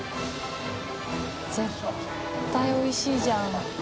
簑おいしいじゃん。